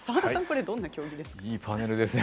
どんな競技ですか？